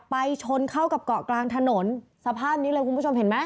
ชนเข้ากับเกาะกลางถนนสภาพนี้เลยคุณผู้ชมเห็นไหม